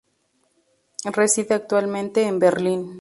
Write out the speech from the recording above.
Reside actualmente en Berlín.